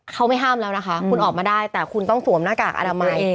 เขาไม่ห้ามแล้วนะคะคุณออกมาได้แต่คุณต้องสวมหน้ากากอนามัย